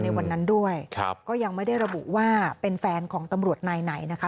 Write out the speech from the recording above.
ในวันนั้นด้วยครับก็ยังไม่ได้ระบุว่าเป็นแฟนของตำรวจนายไหนนะคะ